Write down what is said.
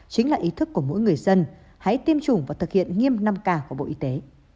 chính là ý thức của mỗi người dân hãy tiêm chủng và thực hiện nghiêm năm k của bộ y tế